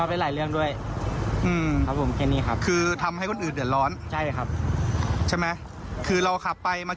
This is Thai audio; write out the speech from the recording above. อ้าวแล้วพี่ทำอย่างไร